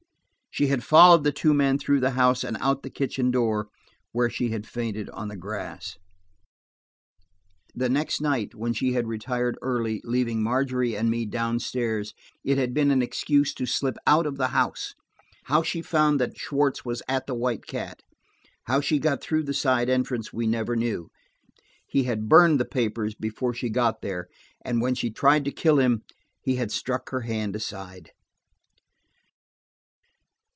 She had followed the two men through the house and out the kitchen door, where she had fainted on the grass. The next night, when she had retired early, leaving Margery and me down stairs, it had been an excuse to slip out of the house. How she found that Schwartz was at the White Cat, how she got through the side entrance, we never knew. He had burned the papers before she got there, and when she tried to kill him, he had struck her hand aside.